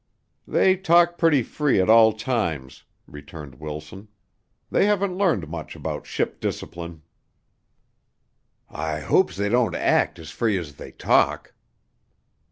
"They talk pretty free at all times," returned Wilson. "They haven't learned much about ship discipline." "I hopes they don't act as free as they talk."